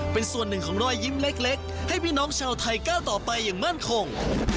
เป็นส่วนหนึ่งของรอยยิ้มเล็กให้พี่น้องชาวไทยก้าวต่อไปอย่างมั่นคง